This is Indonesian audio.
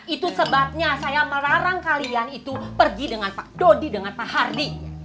itu sebabnya saya melarang kalian itu pergi dengan pak dodi dengan pak hardy